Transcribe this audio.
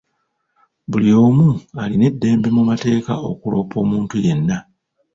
Buli omu alina eddembe mu mateeka okuloopa omuntu yenna.